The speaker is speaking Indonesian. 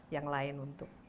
yang lain untuk